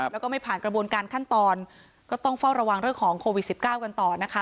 แล้วก็ไม่ผ่านกระบวนการขั้นตอนก็ต้องเฝ้าระวังเรื่องของโควิด๑๙กันต่อนะคะ